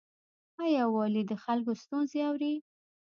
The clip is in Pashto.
آیا والي د خلکو ستونزې اوري؟